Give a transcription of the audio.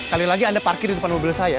kali lagi anda parkir di depan mobil saya